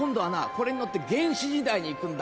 これに乗って原始時代に行くんだ。